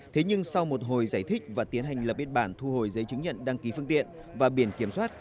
thế nhưng sau một hồi giải thích và tiến hành lập biên bản thu hồi giấy chứng nhận đăng ký phương tiện và biển kiểm soát